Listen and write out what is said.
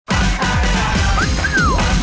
กลับมาพบกันกับรายการศึกสุดที่รัก